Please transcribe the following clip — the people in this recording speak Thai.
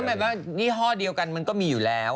หมายว่ายี่ห้อเดียวกันมันก็มีอยู่แล้ว